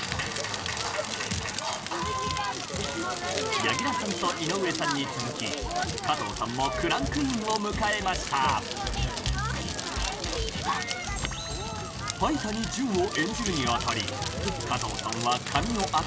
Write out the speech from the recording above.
柳楽さんと井上さんに続き加藤さんもクランクインを迎えました灰谷純を演じるに当たり加藤さんは・よいはい！